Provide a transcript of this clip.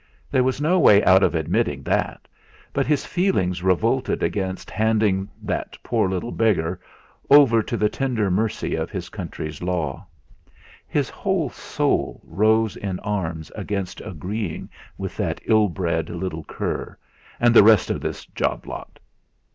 There was no way out of admitting that, but his feelings revolted against handing "that poor little beggar" over to the tender mercy of his country's law. His whole soul rose in arms against agreeing with that ill bred little cur, and the rest of this job lot.